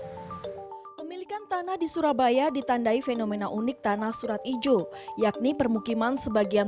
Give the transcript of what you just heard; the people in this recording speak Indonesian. hai pemilikan tanah di surabaya ditandai fenomena unik tanah surat ijo yakni permukiman sebagian